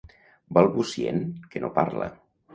Balbucient, que no parla.